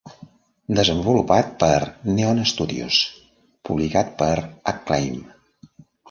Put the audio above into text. Desenvolupat per Neon Studios, publicat per Acclaim.